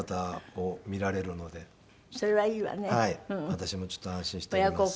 私もちょっと安心しております。